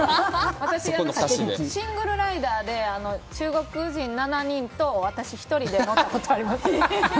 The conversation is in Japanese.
シングルライダーで中国人７人と私１人で乗ったことありますよ。